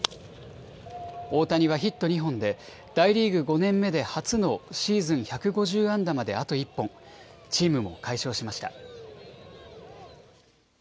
大谷はヒット２本で大リーグ５年目で初のシーズン１５０安打まであと１本、チームも快勝しました。